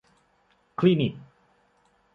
คลินิก